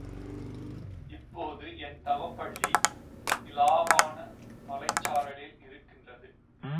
இப்போது என் தவப்பள்ளி இலாவாண மலைச்சரலில் இருக்கின்றது.